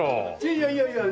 いやいやいや。